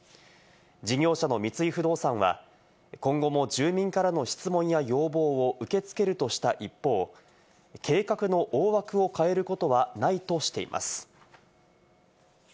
事業者の三井不動産は、今後も住民からの質問や要望を受け付けるとした一方、計画の大枠を変えることはないとしています。